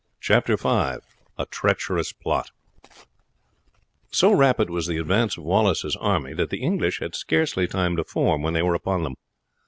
Chapter V A Treacherous Plot So rapid was the advance of Wallace's army that the English had scarce time to form when they were upon them.